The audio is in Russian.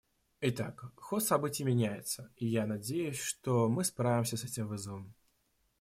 Итак, ход событий меняется, и я надеюсь, что мы справимся с этим вызовом.